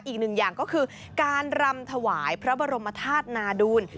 อีกหนึ่งอย่างก็คือการรำถวายพระบรมธาตุนาดูล